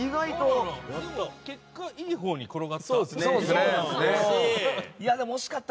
結果、いいほうに転がった。